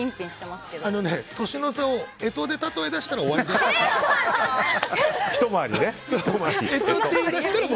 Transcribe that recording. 年の差を干支で例え出したら終わりですよ。